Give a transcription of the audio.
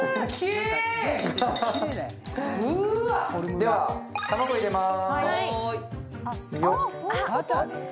では、卵入れます。